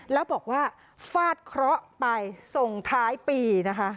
แล้วบอกว่าฟาดเคราะห์ไปส่งท้ายปีนะคะ